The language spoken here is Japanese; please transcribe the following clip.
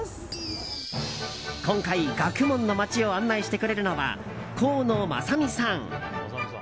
今回、学問の街を案内してくれるのは河野正美さん。